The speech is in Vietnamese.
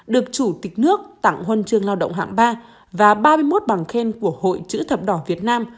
được chủ tịch nước tặng huân chương lao động hạng ba và ba mươi một bằng khen của hội chữ thập đỏ việt nam